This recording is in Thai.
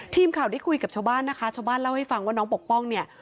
ทีมข่าวได้คุยกับชาวบ้านนะคะชาวบ้านเล่าให้ฟังว่าน้องปกป้องเนี่ย